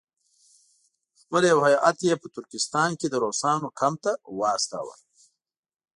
خپل یو هیات یې په ترکستان کې د روسانو کمپ ته واستاوه.